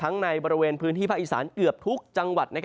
ในบริเวณพื้นที่ภาคอีสานเกือบทุกจังหวัด